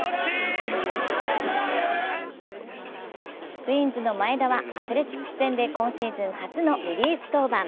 ツインズの前田はアスレチックス戦で今シーズン初のリリーフ登板。